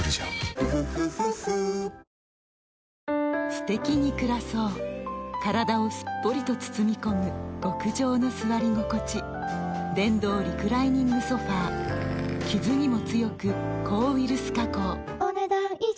すてきに暮らそう体をすっぽりと包み込む極上の座り心地電動リクライニングソファ傷にも強く抗ウイルス加工お、ねだん以上。